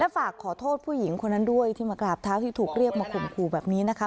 ฝากขอโทษผู้หญิงคนนั้นด้วยที่มากราบเท้าที่ถูกเรียกมาข่มขู่แบบนี้นะคะ